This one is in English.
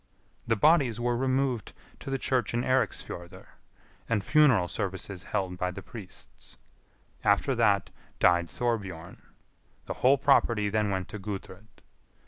The bodies were removed to the church in Eiriksfjordr, and funeral services held by the priests. After that died Thorbjorn. The whole property then went to Gudrid.